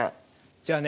じゃあね